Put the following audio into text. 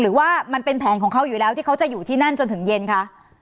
หรือว่ามันเป็นแผนของเขาอยู่แล้วที่เขาจะอยู่ที่นั่นจนถึงเย็นคะ